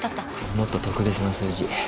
もっと特別な数字。